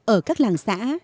ở các làng xã